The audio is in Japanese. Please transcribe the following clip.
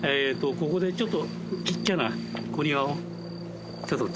ここでちょっとちっちゃな。